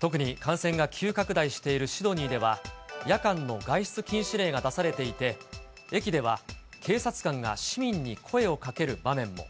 特に感染が急拡大しているシドニーでは、夜間の外出禁止令が出されていて、駅では、警察官が市民に声をかける場面も。